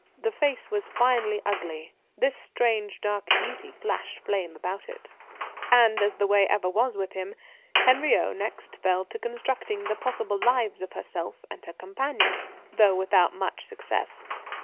The face was finely ugly. This strange dark beauty flashed flame about it. And, as the way ever was with him, Henriot next fell to constructing the possible lives of herself and her companion, though without much success.